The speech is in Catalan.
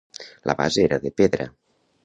La base era de pedra.